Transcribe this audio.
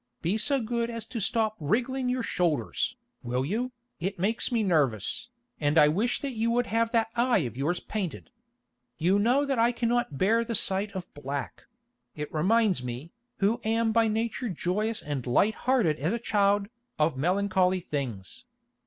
Be so good as to stop wriggling your shoulders, will you, it makes me nervous, and I wish that you would have that eye of yours painted. You know that I cannot bear the sight of black; it reminds me, who am by nature joyous and light hearted as a child, of melancholy things.